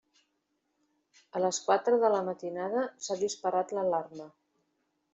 A les quatre de la matinada s'ha disparat l'alarma.